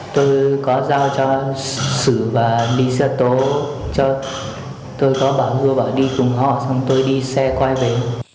tôi có giao cho xử và đi xe tố cho tôi có bảo vua bảo đi cùng họ xong tôi đi xe quay về